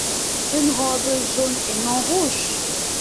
Une robe jaune et non rouge.